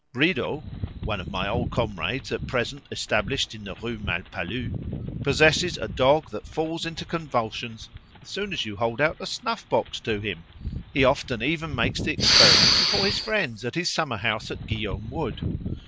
Bridaux (one of my old comrades, at present established in the Rue Malpalu) possesses a dog that falls into convulsions as soon as you hold out a snuff box to him. He often even makes the experiment before his friends at his summer house at Guillaume Wood.